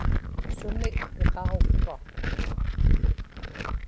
sumik piqaġukpa